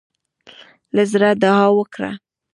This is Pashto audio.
له زړۀ دعا وکړه.